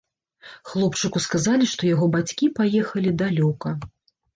Хлопчыку сказалі, што яго бацькі паехалі далёка.